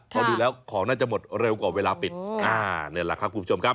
พอดูแล้วของน่าจะหมดเร็วกว่าเวลาปิดอ่านี่แหละครับคุณผู้ชมครับ